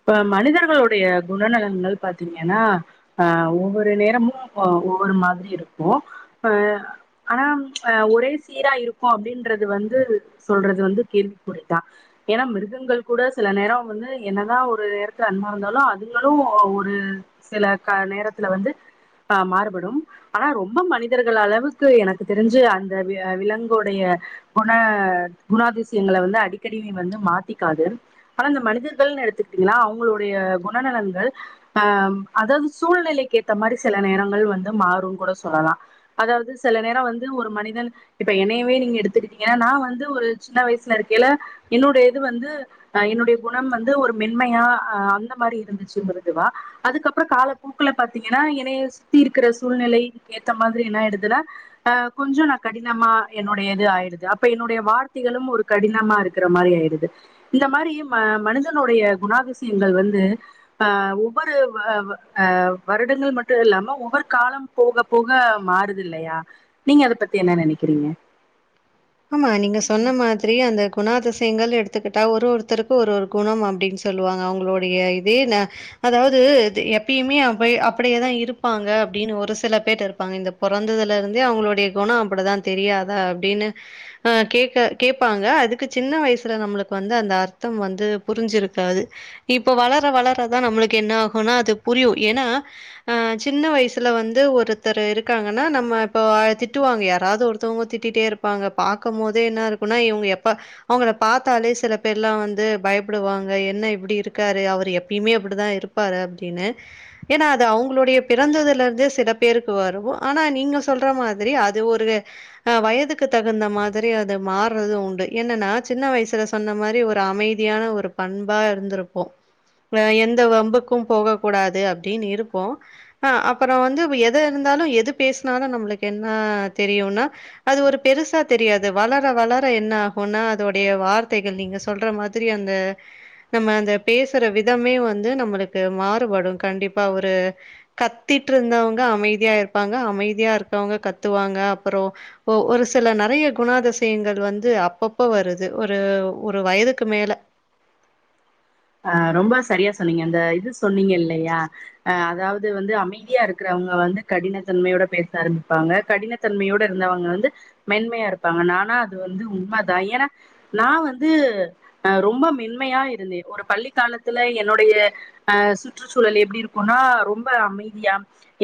இப்ப மனிதர்களுடைய குணநலன்ங்கள் பாத்தீங்கன்னா அஹ் ஒவ்வொரு நேரமும் ஒவ்வொரு மாதிரி இருக்கு அஹ் ஆனா அஹ் ஒரே சீரா இருக்கு அப்படின்றது வந்து சொல்றது வந்து கேள்விக்குறிதான் ஏன்னா மிருகங்கள் கூட சில நேரம் வந்து ஏனா ஒரு இடத்துல என்னா இருந்தாலு இருந்தாலும் அதுங்களும் ஒரு சில நேரத்துல வந்து ஹ மாறுபடும் ஆனா ரொம்ப மனிதர்கள் அளவுக்கு எனக்கு தெரிஞ்சு அந்த விலங்குடைய குண- குணாதிசயங்களை வந்து அடிக்கடி வந்து மாத்திக்காது ஆனா மனிதர்கள்ணு எடுத்து அவங்களுடைய குணநலனங்கள் ஹ் அதாவது சூழ்நிலைக்கு ஏத்த மாரி சில நேரங்கள் வந்து மாறும்னு கூட சொல்லலாம் அதாவது சில நேரம் வந்து ஒரு மனிதன் இப்ப என்னையவே நீங்க எடுத்துக்கிட்டீங்கன்னா நான் வந்து ஒரு சின்ன வயசுல இருக்கையில என்னுடையது வந்துஹ என்னுடைய குணம் வந்து ஒரு மென்மையா அஹ் அந்த மாதிரி இருந்துச்சுங்கதுவா அதுக்கப்புறம் காலப்பூக்கல பாத்தீங்கன்னா இனைய சுத்தி இருக்கிற சூழ்நிலை ஏத்த மாதிரி என்ன ஆயிடுதுனா ஆஹ் கொஞ்சம் நான் கடினமா என்னுடைய இது ஆயிடுது அப்ப என்னுடைய வார்த்தைகளும் ஒரு கடினமா இருக்கிற மாரி ஆயிடுது இந்த மாரி ம-மனித டைய குணாதிசயங்கள் வந்து அஹ் ஒவ்வொரு ஆஹ் வருடங்கள் மட்டும் இல்லாம ஒவ்வொரு காலம் போக போக மாறுது இல்லையா நீங்க அதை பத்தி என்ன நினைக்கிறீங்க ஆமா நீங்க சொன்ன மாதிரி அந்த குணாதிசயங்கள் எடுத்துக்கிட்டா ஒரு ஒருத்தருக்கு ஒரு ஒரு குணம் அப்படின்னு சொல்லுவாங்க அவங்களுடைய இதே ந அதாவது இது எப்பயுமே அப்ப்-அப்படியே தான் இருப்பாங்க அப்படின்னு ஒரு சில பேர் இருப்பாங்க இந்த பிறந்ததுல இருந்தே அவங்களுடைய குணம் அப்படிதான் தெரியாத அப்படின்னு கேட்க-கேட்பாங்க அதுக்கு சின்ன வயசுல நம்மளுக்கு வந்து அந்த அர்த்தம் வந்து புரிஞ்சிருக்காது இப்ப வளர வளரதான் நம்மளுக்கு என்ன ஆகும்னா அது புரியும் ஏன்னா ஆஹ் சின்ன வயசுல வந்து ஒருத்தர் இருக்காங்கன்னா நம்ம இப்ப திட்டுவாங்க யாராவது ஒருத்தவங்க திட்டிட்டே இருப்ப பாக்கும் போதே என்ன இருக்குனா இங்க எப்ப அவங்க பாத்தாலே சில பேர்ல்லாம் வந்து பயப்படுவாங்க என்ன இப்டி இருக்காரு அவர் எப்பயுமே அப்படிதான் இருப்பாரு அப்டின்னு ஏன்னா அது அவங்களுடைய பிறந்ததுல இருந்தே சில பேருக்குவோ ஆனா நீங்க சொல்ற மாதிரி அது ஒரு வயதுக்கு க்கு தகுந்த மாதிரி அது மாறுறதும் உண்டு என்னன்னா சின்ன வயசுல சொன்ன மாதிரி ஒரு அமைதியான ஒரு பண்பா இருந்திருப்போம் எந்த வம்புக்கும் போக கூடாது அப்படின்னு இருப்போம் ஆஹ அப்புறம் வந்து எத இருந்தாலும் எது பேசினாலும் நம்மளுக்கு என்ன தெரியும்னா அது ஒரு பெருசா தெரியாது வளர வளர என்ன ஆகும்னா அதோடைய வார்த்தைகள் நீங்க சொல்ற மாதிரி அந்த நம்ம அந்த பேசுற விதமே வந்து நம்மளுக்கு மாறுபடும் கண்டிப்பா ஒரு கத்தட்டு இருந்தவங்க அமைதியா இருப்பாங்க அமைதியா இருக்கவங்க கத்துவாங்க அப்புறம் ஒ-ஒரு சில நிறைய குணதிசயங்கள் வந்து அப்பப்போ வருது ஒரு-ஒரு வயதுக்கு மேல அஹ் ரொம்ப சரியா சொன்னீங்க அந்த இது சொன்னீங்க இல்லையா அதாவது அது வந்து அமைதியா இருக்கிறவங்க வந்து கடினத்தன்மையோட பேச ஆரம்பிப்பாங்க கடினத்தன்மையோட இருந்தவங்க வந்து மென்மையா இருப்பாங்க நானா அது வந்து உண்மை தான் ஏன்னா நான் வந்துஹ ரொம்ப மென்மையா இருந்தே ஒரு பள்ளிக்காலத்துல என்னுடைய அஹ் சுற்றுச்சூழல் எப்டி இருக்கும்னா ரொம்ப அமைதியா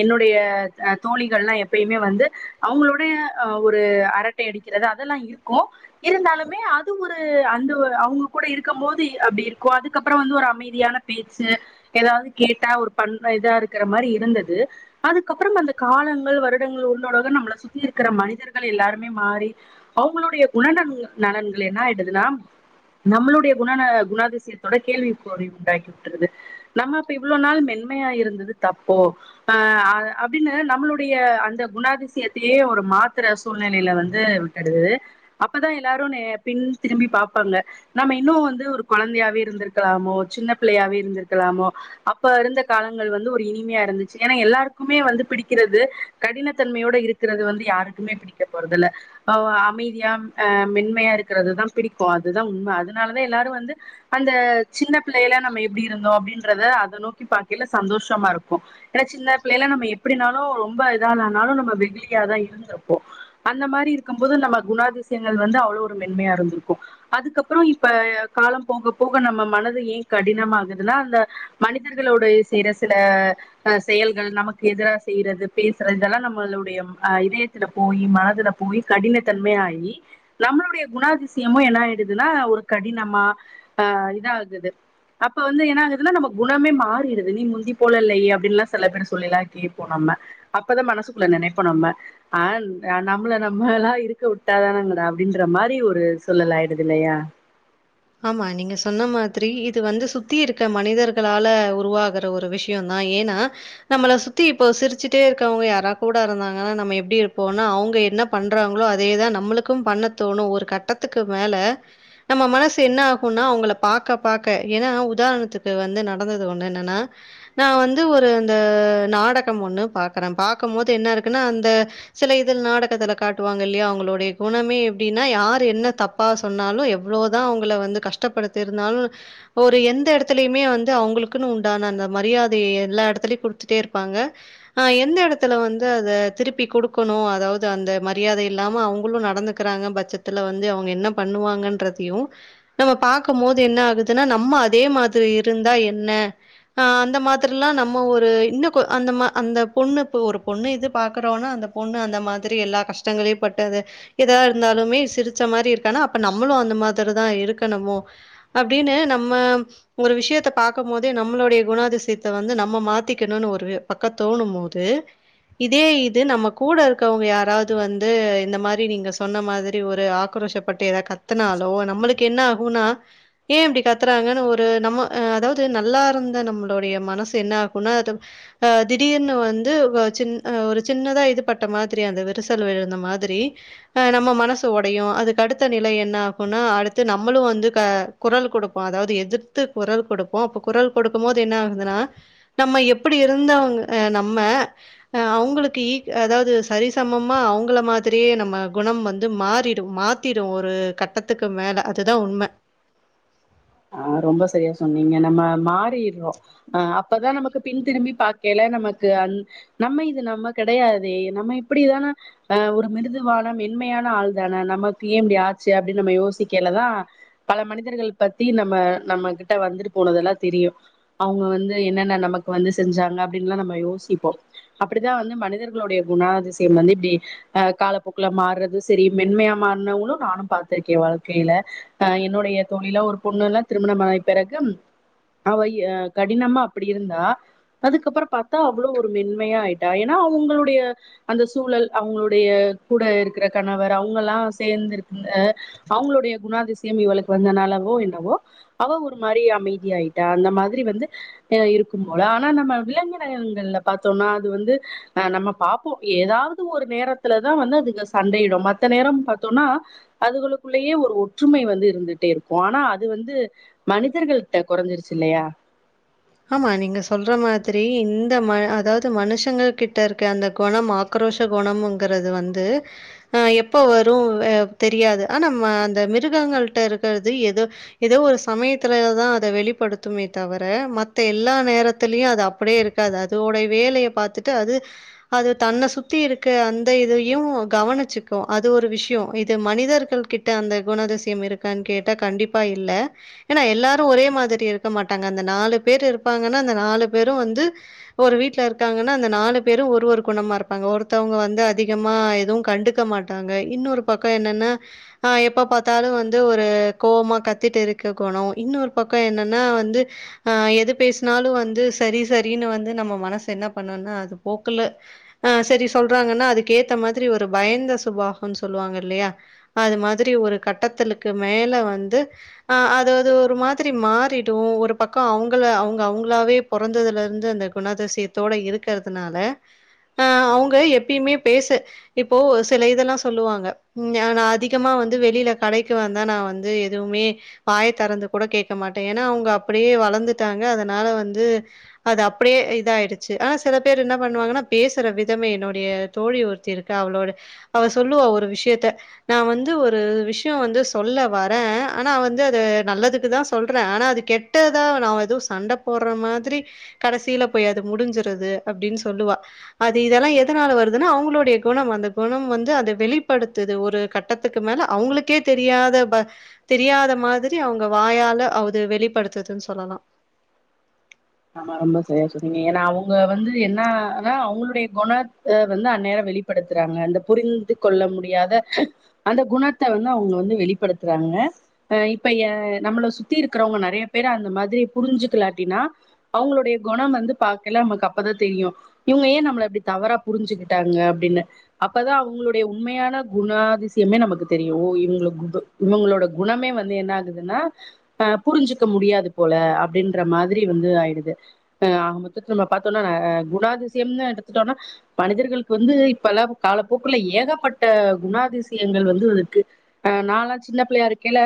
என்னுடைய தோழிகள்ல்லா எப்பயுமே வந்து அவங்களோட அஹ் ஒரு அரட்டை அடிக்கிறது அதெல்லாம் இருக்கு இருந்தாலுமே அது ஒரு அந்த அவங்க கூட இருக்கும் போது அப்படி இரு அதுக்கப்புறம் வந்து ஒரு அமைதியான பேச்சு ஏதாவது கேட்டா ஒரு பண் இதா இருக்கிற மாதிரி இருந்தது அதுக்கப்புறம் அந்த காலங்கள் வருடங்கள் உள்ளோடாக நம்மளை சுத்தி இருக்கிற மனிதர்கள் எல்லாருமே மாறி அவங்களுடைய குணந- நலன்கள் என்ன ஆகிடுதுன்னா நம்மளுடைய குண விஷயத்தொட கேள்வி [unintelligible] உண்டாக்கி விட்டுது நம்மப்ப இவ்வளவு நாள் மென்மையா இருந்தது தப்போ அஹ் அப்டின்னு நம்மளுடைய அந்த குணாதிசயத்தையே ஒரு மாத்திர சூழ்நிலையில வந்து விட்டுடுது அப்பதான் எல்லாரும் பின் திரும்பி பார்ப்பாங்க நம்ம இன்னும் வந்து ஒரு குழந்தையாக இருந்திருக்கலாமோ சின்ன பிள்ளையாவே இருந்திருக்கலாமோ அப்ப இருந்த காலங்கள் வந்து ஒரு இனிமையா இருந்துச்சு ஏன்னா எல்லாருக்குமே வந்து பிடிக்கிறது கடினத்தன்மையோட இருக்கிறது வந்து யாருக்குமே பிடிக்க போறதில்ல ஆஹ் அமைதியா அஹ் மென்மையா இருக்கிறதுதான் பிடிக்கும் அதுதான் உண்மை அதனாலதான் எல்லாரும் வந்து அந்த சின்ன பிள்ளைல நம்ம எப்டி இருந்தோம் அப்படின்றத அத நோக்கி பாக்கையில சந்தோஷமா இருக்கும் ஏன்னா சின்ன பிள்ளைல நம்ம எப்படினாலும் ரொம்ப இதால ஆனாலும் நம்ம வெகுலியாாதான் இருந்திருப்போம் அந்த மாதிரி இருக்கும் போது நம்ம குணாதிசயங்கள் வந்து அவ்வளவு ஒரு மென்மையா இருந்திருக்கும் அதுக்கப்புறம் இப்ப காலம் போக போக நம்ம மனது ஏன் கடினம் ஆகுதுன்னா அந்த மனிதர்களளுடைய செய்ற சில ஹ் செயல்கள் நமக்கு எதிரா செய்யறது பேசுறது இதெல்லாம் நம்மளுடைய அஹ் இதயத்துல போய் மனதுல போய் கடினத்தன்மை ஆகி நம்மளுடைய குணாதிசயமும் என்ன ஆயிடுதுன்னா ஒரு கடினமா ஆஹ் இதா ஆகுது அப்ப வந்து என்ன ஆகுதுன்னா நம்ம குணமே மாறிடுது நீ முந்தி போல இல்லையே அப்டின்னுல்லாம் சில பேர் சொல்லிலா கேட்போம் நம்ப அப்பதான் மனசுக்குள்ள நினைப்போம் நம்ப ஆஹ் நம்மள நம்பள இருக்க விட்டாதானேங்கடா அப்படின்ற மாதிரி ஒரு சொல்லலாயிடுது இல்லையா ஆமா நீங்க சொன்ன மாதிரி இது வந்து சுத்தி இருக்க மனிதர்களால உருவாகற ஒரு விஷயம் தான் ஏன்னா நம்மளை சுத்தி இப்போ சிரிச்சுட்டே இருக்கவங்க யாரா கூட இருந்தாங்கன்னா நம்ம எப்படி இருப்போம்னா அவங்க என்ன பண்றாங்களோ அதேதான் நம்மளுக்கும் பண்ண தோணும் ஒரு கட்டத்துக்கு மேல நம்ம மனசு என்ன ஆகும்னா அவங்க பார்க பார்க ஏன்னா உதாரணத்துக்கு வந்து நடந்தது ஒன்னு என்னன்னா நான் வந்து ஒரு அந்த நாடகம் ஒண்ணு பாக்குறேன் பாக்கும்போது என்ன இருக்குன்னா அந்த சில இதில் நாடகத்துல காட்டுவாங்க இல்லையா அவங்களுடைய குணமே எப்படின்னா யார் என்ன தப்பா சொன்னாலும் எவ்வளோதான் அவுங் லா வந்து கஷ்டப்படுத்தி இருந்தாலும் ஒரு எந்த இடத்துலயுமே வந்து அவங்களுக்குன்னு உண்டான அந்த மரியாதையை எல்லா இடத்துலயையும் குடுத்துட்டே இருப்பாங்க ஆஹ் எந்த இடத்துல வந்து அத திருப்பி கொடுக்கணும் அதாவது அந்த மரியாதை இல்லாம அவங்களும் நடந்துக்கிறாங்க பட்சத்துல வந்து அவங்க என்ன பண்ணுவாங்கன்றதையும் நம்ம பார்க்கும்போது என்ன ஆகுதுன்னா நம்ம அதே மாதிரி இருந்தா என்ன ஆஹ் அந்த மாதிரி எல்லாம் நம்ம ஒரு இன்னு கொஞ் அந்தமாரி அந்த பொண்ணு ஒரு பொண்ணு இது பாக்குறோம்னா அந்த பொண்ணு அந்த மாதிரி எல்லா கஷ்டங்களே பட்டது எதா இருந்தாலுமே சிரிச்ச மாதிரி இருக்கானா அப்ப நம்மளும் அந்த மாதிரிதான் இருக் கணும்மோ அப்படின்னு நம்ம ஒரு விஷயத்த பார்க்க போதே நம்மளுடைய குணாதிசயத்த வந்து நம்ம மாத்திக்கணும்னு ஒரு பக்கம் தோணும் போது இதே இது நம்ம கூட இருக்கவங்க யாராவது வந்து இந்த மாதிரி நீங்க சொன்ன மாதிரி ஒரு ஆக்ரோஷப்பட்டு ஏத கத்துனாலோ நம்மளுக்கு என்ன ஆகும்னா ஏன் இப்படி கத்துறாங்கன்னு ஒரு நம்ம ஹ அதாவது நல்லா இருந்த நம்மளுடைய மனசு என்ன ஆகும்னா அது திடீர்னுு வந்து ஒரு சின் ஹ சின்னதா இது பட்ட மாதிரி அந்த விரசல் விழுந்த மாதிரி ஹ நம்ம மனசு உடையும் அதுக்கு அடுத்த நிலை என்ன ஆகும்னா அடு நம்மளும் வந்து க குரல் கொடுப்போம் அதாவது எதிர்த்து குரல் கொடுப்போம் அப்ப குரல் கொடுக்கும் போது என்ன ஆகுதுன்னா நம்ம எப்டி இருந்தவங்க நம்ம அவங்களுக்கு ஈக் அதாவது சரிசமமா அவங்கள மாதிரியே நம்ம குணம் வந்து மாறிடும் மாத்திடும் ஒரு கட்டத்துக்கு மேல அதுதான் உண்மை ஆஹ் ரொம்ப சரியா சொன்னீங்க நம்ம மாறிடுறோம் அஹ் அப்பதான் நமக்கு பின்திரும்பி பார்க்கைல நமக்கு அந் நம்ம இது நம்ம கிடையாதே நம்ம இப்படிதானே அஹ் ஒரு மிருதுவான மென்மையான ஆள் தான நமக்கு ஏன் இப்படி ஆச்சு அப்படின்னு நம்ம யோசிக்கலதான் பல மனிதர்கள் பத்தி நம்ம நம்ம கிட்ட வந்துட்டு போனதெல்லாம் தெரியும் அவங்க வந்து என்னென்ன நமக்கு வந்து செஞ்சாங்க அப்படின்னுல்லாம் நம்ம யோசிப்போம் அப்படிதான் வந்து மனிதர்களுடைய குணாதிசயம் வந்து இப்படி அஹ் காலப்போக்கல மாறுறது சரி மென்மையா மாறனவங்களும் நானும் பாார்த்திருக்கேன் வாழ்க்கையில அஹ் என்னுடைய தொழிலா ஒரு பொண்ணல்லாம் திருமணமாய் பிறகு அவை கடினமா அப்படி இருந்தா அதுக்கப்புறம் பார்த்தா அவ்வளவு ஒரு மென்மையா ஆயிட்டா ஏன்னா அவங்களுடைய அந்த சூழல் அவங்களுடைய கூட இருக்கிற கணவர் அவங்கல்லாம் சேர்ந்து இருக்கு அவங்களுடைய குணாதிசயம் இவளுக்கு வந்தனாலவோ [unintelligible] அவ ஒரு மாதிரி அமைதியிட்டா அந்த மாதிரி வந்து இருக்கும் போல ஆனா நம்ம விலகினங்கள்ல பார்த்தோம்னா அது வந்துஹ நம்ம பார்ப்போம் ஏதாவது ஒரு நேரத்துலதான் வந்து அது சண்டையிடும் மத்த நேரம் பார்த்தோம்னா அதுகளுக்குள்ளயே ஒரு ஒற்றுமை வந்து இருந்துட்டே இருக்கும் ஆனா அது வந்து மனிதர்கல்ட்ட குறைஞ்சிருச்சு இல்லையா ஆமா நீங்க சொல்ற மாதிரி இந்த ம அதாவது மனுஷங்க கிட்ட இருக்க அந்த குணம் ஆக்ரோஷ குணம்ங்கறது வந்து அஹ் எப்ப வரும் தெரியாது ஆனா அந்த மிருகங்கிட்ட இருக்கிறது ஏதோ ஏதோ ஒரு சமயத்துலதான் அத வெளிப்படுத்தமே தவிர மத்த எல்லா நேரத்திலயும் அது அப்படியே இருக்காது அதோடைய வேலைய பார்த்துட்டு அது அது தன்னை சுத்தி இருக்க அந்த இதையும் கவனிச்சுக்கும் அது ஒரு விஷயம் இது மனிதர்கள் கிட்ட அந்த குணதிசயம் இருக்குன்னு கேட்டா கண்டிப்பா இல்ல ஏன்னா எல்லாரும் ஒரே மாதிரி இருக்க மாட்டாங்க அந்த நாலு பேரு இருப்பாங்கன்னா அந்த நாலு பேரும் வந்து ஒரு வீட்டுல இருக்காங்கன்னா அந்த நாலு பேரும் ஒரு ஒரு குணமா இருப்பாங்க ஒருத்தவங்க வந்து அதிகமா எதுவும் கண்டுக்க மாட்டாங்க இன்னொரு பக்கம் என்னன்னா ஆஹ் எப்ப பார்த்தாலும் வந்து ஒரு கோவமா கத்திட்டு இருக்க குணம் இன்னொரு பக்கம் என்னன்னா வந்து ஆஹ எது பேசினாலும் வந்து சரி சரின்னு வந்து நம்ம மனசு என்ன பண்ணணும்னா அது போக்குல அஹ் சரி சொல்றாங்கன்னா அதுகேத்த மாதிரி ஒரு பயந்த சுபாகம்ன்னு சொல்லுவாங்க இல்லையா அது மாதிரி ஒரு கட்டத்துக்கு மேல வந்து ஆஹ் அதாவது ஒரு மாதிரி மாறிடும் ஒரு பக்கம் அவங்கள அவங்க அவங்களாவே பொறந்ததுல இருந்து அந்த குணதசயத்தோட இருக்கிறதுனால அஹ் அவங்க எப்பயுமே பேச இப்போ சில இதெல்லாம் சொல்லுவாங்க நான் அதிகமா வந்து வெளியில கடைக்கு வந்தா நான் வந்து எதுவுமே வாய திறந்து கூட கேட்க மாட்டேன் ஏன்னா அவங்க அப்படியே வளர்ந்துட்டாங்க அதனால வந்து அது அப்படியே இதாயிடுச்சு ஆனா சில பேர் என்ன பண்ணுவாங்கன்னா பேசுற விதம என்னுடைய தோழி ஒருத்தி இருக்கு அவளோட அவள் சொல்லுவா ஒரு விஷயத்த நான் வந்து ஒரு விஷயம் வந்து சொல்ல வரேன் ஆனா வந்து அத நல்லதுக்கு தான் சொல்றேன் ஆனா அது கெ கத நான் எதுவும் சண்டை போடுற மாதிரி கடைசியில போய் அது முடிஞ்சறது அப்டின்னு சொல்லுவா அது இதெல்லாம் எதனால வருதுன்னா அவங்களுடைய குணம் அந்த குணம் வந்து அது வெளிப்படுத்துது ஒரு கட்டத்துக்கு மேல அவங்களுக்கே தெரியாத தெரியாத மாதிரி அவங்க வாயால அது வெளிப்படு துன்னு சொல்லலாம் ஆமா ரொம்ப சரியா சொன்னீங்க ஏன்னா அவங்க வந்து என்னனா அவங்களுடைய குணத்த வந்து அந்நேரம் வெளிப்படுத்துறாங்க அந்த புரிந்து கொள்ள முடியாத அந்த குணத்த வந்து அவங்க வந்து வெளிப்படுத்துறாங்க அஹ் இப்ப யா நம்மளை சுத்தி இருக்கிறவங்க நிறைய பேரு அந்த மாரி புரிஞ்சுக்கலாட்டினா அவங்களுடைய குணம் வந்து பார்க்கைல நமக்கு அப்பதான் தெரியும் இவங்க ஏன் நம்மள அப்டி தவறா புரிஞ்சுகிட்டாங்க அப்டின்னு அப்பதான் அவங்களுடைய உண்மையான குணாதிசயமே நமக்கு தெரியும் இவங்க கு இவங்களோட குணமே வந்து என்ன ஆகுதுன்னா அஹ் புரிஞ்சுிக்க முடியாது போல அப்படின்ற மாதிரி வந்து ஆய க மொத்த நம்ம பா்த்தோம்னா குணாதிசயம்னு எடுத்துட்டோம்னா மனிதர்களுக்கு வந்து இப்பெல்லாம் காலப்போக்குல ஏகப்பட்ட குணாதிசயங்கள் வந்து இருக்கு ஆஹ் நாலான் சின்ன பிள்ளையாயிருக்கைல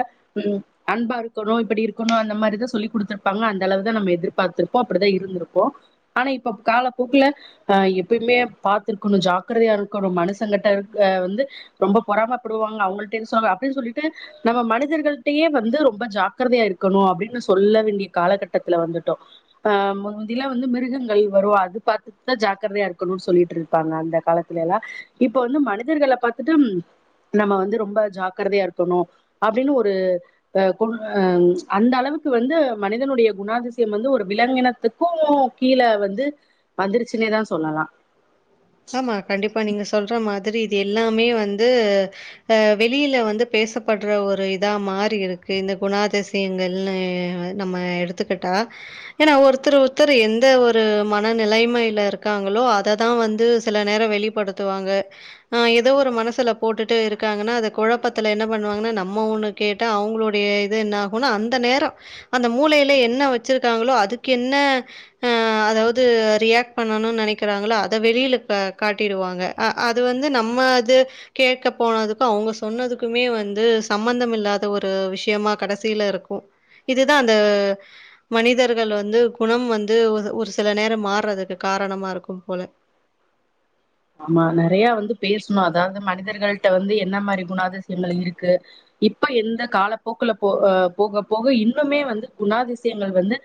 அன்பா இருக்கணும் இப்படி இருக்கணும் அந்த மாதிரிதான் சொல்லி் கொடுத்துருப்பாங்க அந்த அளவு தான் நம்ம எதிர் ப்த்திருப்போம் அப்படிதான் இருந்திருப்போம் ஆனா இப்ப காலப்போக்குல அஹ் எப்பயுமே பார்த்துிருக்கணும் ஜாக்கிரதையா இருக்கணும் மனுஷங்க வந்து ரொம்ப பொறமைப்படுவாங்க அவங்கள்ட்ட சொ அப்படின்னு சொல்லிட்டு நம்ம மனிதர்களிட்டயே வந்து ரொம்ப ஜாக்கிரதையா இருக்கணும் அப்படின்னு சொல்ல வேண்டிய காலகட்டத்துல வந்துட் ஹ முந்தில வந்து மிருகங்கள் வரும் அது பார்த்துதான் ஜாக்கிரதையா இருக்கணும்னு சொல்லிட்டு இருப்பாங்க அந்த காலத்துில எல்லாம் இப்ப வந்து மனிதர்கல பார்த்துட்டு நம்ம வந்து ரொம்ப ஜாக்கிரதையா இருக்கணும் அப்படின்னு ஒரு அஹஹ் அந்த அளவுக்கு வந்து மனிதனுடைய குணாதி ம் வந்து ஒரு விலங்கினத்துக்கும் கீழே வந்து வந்துருச்சுன்னே தான் சொல்லலாம் ஆமா கண்டிப்பா நீங்க சொல்ற மாதிரி இது எல்லாமே வந்துஹ வெளியில வந்து பேசப்படுற ஒரு இதா மாறி இருக்கு இந்த குணதிசயங்கள்ளே நம்ம எடுத்துக்கிட்டா ஏன்னா ஒருத்தர் ஒருத்தர் எந்த ஒரு மனநிலைமையில இருக்காங்களோ ததான் வந்து சில நேரம் வெளிப்படுத்துவாங்க ஏதோ ஒரு மனசுல போட்டுட்டு இருக்காங்கன்னா அத குழப்பத்துல என்ன பண்ணுவாங்கன்ன நம்ம ஒன்னு கேட்டா அவங்களுடைய இது என்ன ஆகும்னா அந்த நேரம் அந்த மூலையில என்ன வச்சிருக்காங்களோ அதுக்கு என்ன அதாவது ரியாக்ட் பண்ணணும்னு நினைக்க அத வெளியில காட்டிரூவாங்க அது வந்து நம்ம அது கேட்க போனதுக்கும் அவங்க சொன்னதுக்குமே வந்து சம்பந்தம் இல்லாத ஒரு விஷயமா கடைசியில இருக்கும் இதுதான் அந்த மனிதர்கள் வந்து குணம் வந்து ஒரு சில நேரம் மாறுறதுக்கு காரணமா இருக்கும் ம் போல ஆமா நிறைய வந்து பேசணும் அதாவது மனிதர்களிட்ட வந்து என்ன மாரி குணாதிசயங்கள் இருக்கு இப்ப எந்த காலப்போக்குல போஹ் போக போக இன்னுமே வந்து குணாதிசயங்கள் வந்து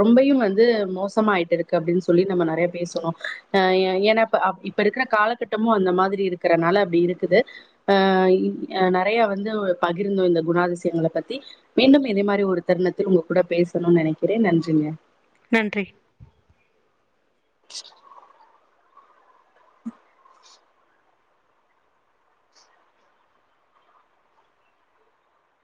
ரொம்பையும் வந்து மோசமாயிட்டு இருக்கு அப்படின்னு சொல்லி நம்ம நிறைய பேசணும் அஹ் ஏன்னாப்ப இப்ப இருக்கிற காலகட்டமும் அந்த மாதிரி இருக்கிறனால அப்படி இருக்குது அஹ் நறைய வந்து பகிர்ந்தோம் இந்த குணாதிசயங்களை பத்தி மீண்டும் இதே மாதிரி ஒரு தருணத்தில் உங்க கூட பேசணும்னு நினைக்கிறேன் நன்றிங்க நன்றி [unintelligible]